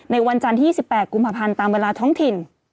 ในวันจันที่๑๘กุมภัณฑ์ตามเวลาท้องถิ่น